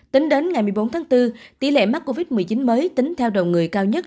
tính đến ngày một mươi bốn tháng bốn tỷ lệ mắc covid một mươi chín mới tính theo đầu người cao nhất